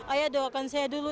ayah doakan saya dulu